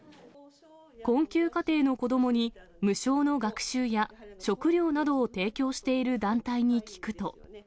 困窮家庭の子どもに無償の学習や食料などを提供している団体に聞くと。